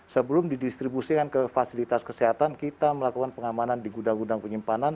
sebelum didistribusikan ke fasilitas kesehatan kita melakukan pengamanan di gudang gudang penyimpanan